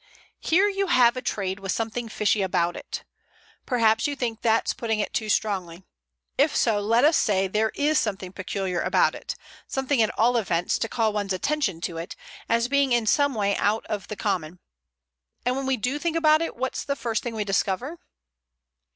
"Here you have a trade with something fishy about it. Perhaps you think that's putting it too strongly; if so, let us say there is something peculiar about it; something, at all events, to call one's attention to it, as being in some way out of the common. And when we do think about it, what's the first thing we discover?"